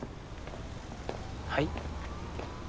はい？